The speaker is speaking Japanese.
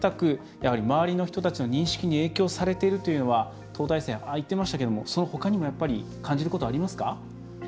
やはり周りの人たちの認識に影響されているというのは東大生もああ言ってましたけどもそのほかにも感じることはありますか？